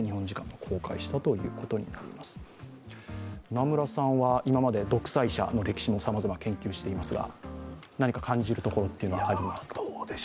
今村さんは今まで独裁者の歴史もさまざま研究していますが、何か感じるところはありますか？